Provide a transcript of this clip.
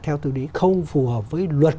theo tôi nghĩ không phù hợp với luật